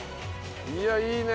いやいいね。